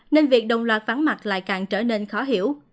nên việc đồng loạt vắng mặt lại càng trở nên khó hiểu